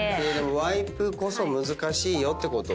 ワイプこそ難しいよってことをね。